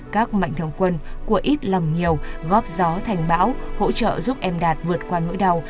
các mạnh thường quân của ít lòng nhiều góp gió thành bão hỗ trợ giúp em đạt vượt qua nỗi đau